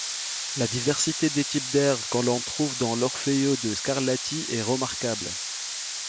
La diversité des types d’air que l’on trouve dans l’Orfeo de Scarlatti est remarquable.